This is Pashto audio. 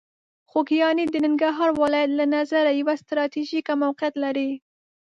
خوږیاڼي د ننګرهار ولایت له نظره یوه ستراتیژیکه موقعیت لري.